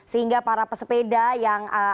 sehingga para pesepeda yang akan berhasil